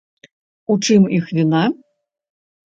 У чым іх віна?